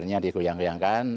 rada nya di goyang goyangkan